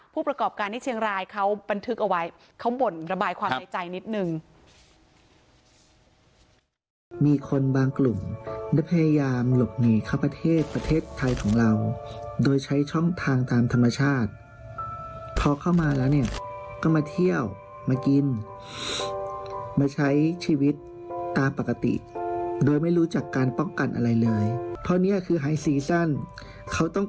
ผู้ประกอบการที่เชียงรายเขาบันทึกเอาไว้เขาบ่นระบายความในใจนิดนึง